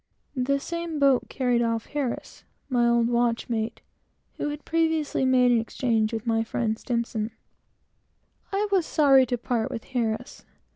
The same boat carried off Harris, my old watchmate, who had previously made an exchange with my friend S . I was sorry to part with Harris.